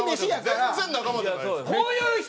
全然仲間じゃないです。